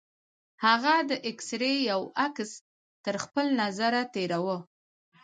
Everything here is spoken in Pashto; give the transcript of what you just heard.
هغه د اکسرې يو عکس تر خپل نظره تېراوه.